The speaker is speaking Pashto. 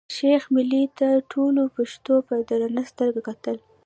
شېخ ملي ته ټولو پښتنو په درنه سترګه کتل.